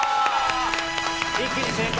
一気に正解。